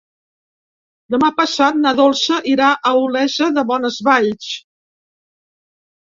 Demà passat na Dolça irà a Olesa de Bonesvalls.